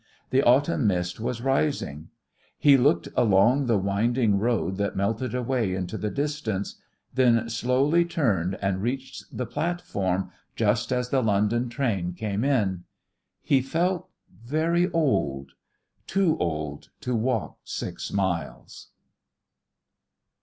The autumn mist was rising. He looked along the winding road that melted away into the distance, then slowly turned and reached the platform just as the London train came in. He felt very old too old to walk six miles....